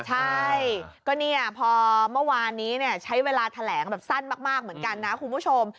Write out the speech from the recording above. ใช่ก็เนี่ยพอเมื่อวานนี้ใช้เวลาแถลงแบบสั้นมากเหมือนกันนะคุณผู้ชม